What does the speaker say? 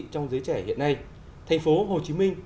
trong giới trẻ hiện nay thành phố hồ chí minh